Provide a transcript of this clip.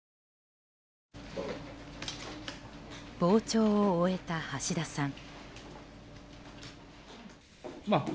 傍聴を終えた橋田さん。